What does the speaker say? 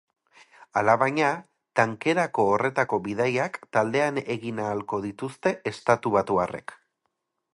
Alabaina, tankerako horretako bidaiak taldean egin ahalko dituzte estatubatuarrek.